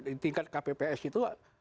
di tingkat kpps itu